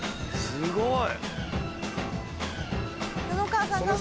すごい！